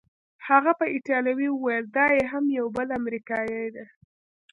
هغه په ایټالوي وویل: دا یې هم یو بل امریکايي دی.